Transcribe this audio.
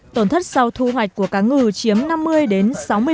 tổn thất sau thu hoạch của cá ngừ chiếm năm mươi đến sáu mươi